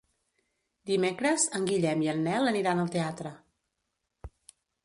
Dimecres en Guillem i en Nel aniran al teatre.